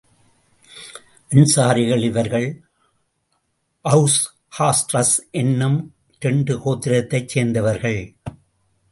அன்சாரிகள் இவர்கள் Aws, Khazraj என்னும் இரண்டு கோத்திரத்தைச் சேர்ந்தவர்கள்.